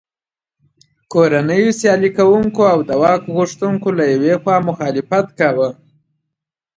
کورنیو سیالي کوونکو او د واک غوښتونکو له یوې خوا مخالفت کاوه.